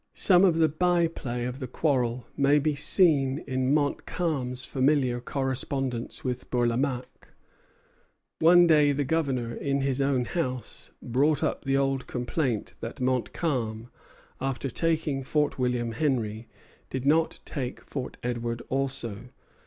Some of the byplay of the quarrel may be seen in Montcalm's familiar correspondence with Bourlamaque. One day the Governor, in his own house, brought up the old complaint that Montcalm, after taking Fort William Henry, did not take Fort Edward also.